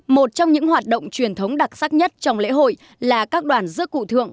một trong những hoạt động truyền thống đặc sắc nhất trong lễ hội là các đoàn rước cụ thượng